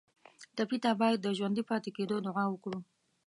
ټپي ته باید د ژوندي پاتې کېدو دعا وکړو.